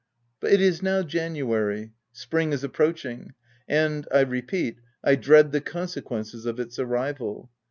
But it is now January : spring is approaching ; and, I repeat, I dread the conse quences of its arrival.